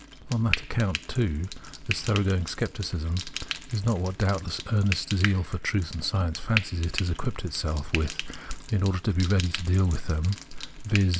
On that account, too, this thoroughgoing scepticism is not what doubt Introduction 79 less earnest zeal for truth and science fancies it tas equipped itself with in order to be ready to deal with them, — viz.